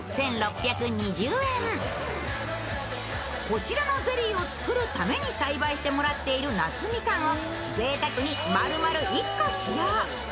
こちらのゼリーを作るために栽培してもらっている夏みかんをぜいたくに、まるまる１個使用。